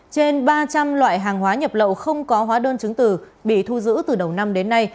trên ba trăm linh loại hàng hóa nhập lậu không có hóa đơn chứng từ bị thu giữ từ đầu năm đến nay